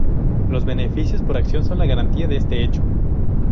Los beneficios por acción son la garantía de este hecho.